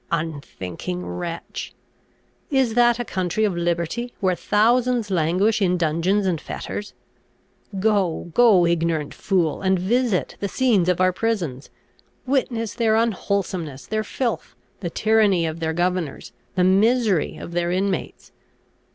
Unthinking wretch! Is that a country of liberty, where thousands languish in dungeons and fetters? Go, go, ignorant fool! and visit the scenes of our prisons! witness their unwholesomeness, their filth, the tyranny of their governors, the misery of their inmates!